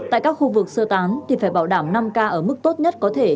tại các khu vực sơ tán thì phải bảo đảm năm ca ở mức tốt nhất có thể